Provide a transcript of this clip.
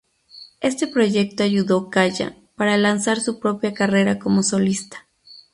Este proyecto ayudó Kaya para lanzar su propia carrera como solista.